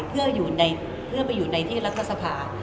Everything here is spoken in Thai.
เพื่อไปอยู่ในที่รัฐสภา